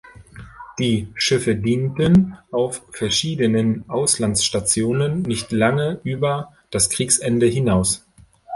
Die Schiffe dienten auf verschiedenen Auslandsstationen nicht lange über das Kriegsende hinaus.